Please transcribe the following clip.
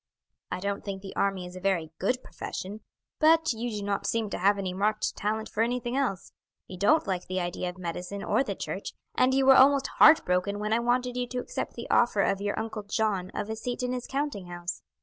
I don't think the army is a very good profession, but you do not seem to have any marked talent for anything else. You don't like the idea of medicine or the church, and you were almost heart broken when I wanted you to accept the offer of your uncle John of a seat in his counting house.